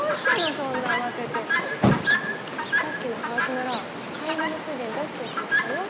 そんな慌ててさっきのハガキなら買い物ついでに出しておきましたよ